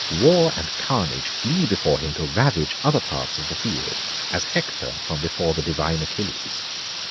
War and carnage flee before him to ravage other parts of the field, as Hector from before the divine Achilles.